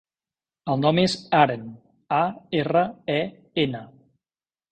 El nom és Aren: a, erra, e, ena.